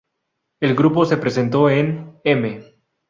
El grupo se presentó en "M!